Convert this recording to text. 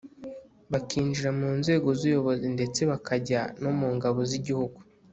bakinjira mu nzego z’ubuyobozi ndetse bakajya no mu ngabo z’igihugu